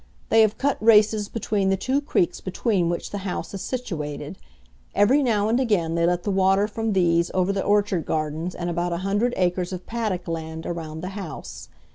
They have cut races between the two creeks between which the house is situated. Every now and again they let the water from these over the orchard gardens and about a hundred acres of paddock land around the house.